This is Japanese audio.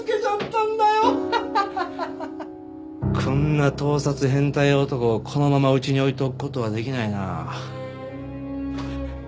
こんな盗撮変態男をこのままうちに置いておく事はできないなあ。